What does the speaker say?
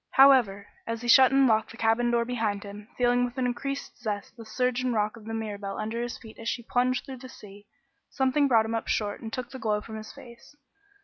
However, as he shut and locked the cabin door behind him, feeling with an increased zest the surge and rock of the Mirabelle under his feet as she plunged through the sea, something brought him up short and took the glow from his face.